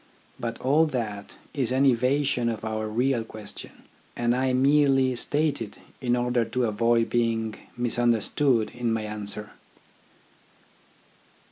But all that is an evasion of our real question, and I merely state it in order to avoid being misunderstood in my answer.